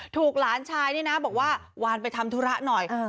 หลานชายนี่นะบอกว่าวานไปทำธุระหน่อย